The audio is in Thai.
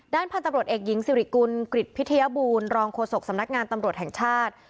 พันธุ์ตำรวจเอกหญิงสิริกุลกริจพิทยาบูรณรองโฆษกสำนักงานตำรวจแห่งชาติ